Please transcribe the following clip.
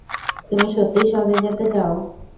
তুমি সত্যিই শহরে যেতে চাও?